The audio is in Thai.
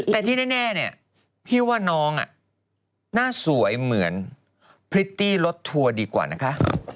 แต่ที่แน่เนี่ยพี่ว่าน้องหน้าสวยเหมือนพริตตี้รถทัวร์ดีกว่านะคะ